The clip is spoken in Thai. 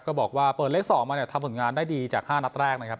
บอกว่าเปิดเลข๒มาเนี่ยทำผลงานได้ดีจาก๕นัดแรกนะครับ